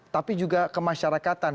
tapi juga kemasyarakatan